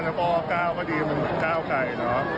จริงเบอร์ไหนก็ได้แล้วก็ก้าวก็ดีมันเหมือนก้าวไกล